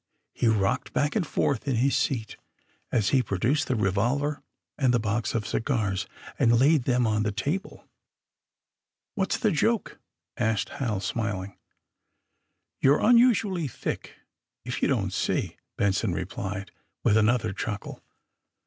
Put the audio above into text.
He rocked back and forth in his seat as he prodnced the revolver and the box of cigars and laid them on the table. ^^ What's the joke!" asked Hal, smiling. ^^ You're nniisnally thick, if yon don't see," Benson replied, with another chuckle.